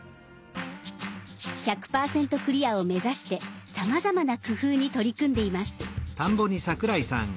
１００％クリアを目指してさまざまな工夫に取り組んでいます。